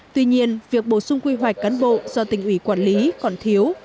tuy nhiên việc bổ sung quy hoạch cán bộ do tỉnh ủy quản lý còn thiếu